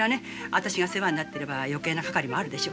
私が世話になってれば余計なかかりもあるでしょ。